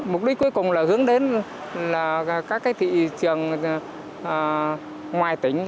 mục đích cuối cùng là hướng đến các thị trường ngoài tỉnh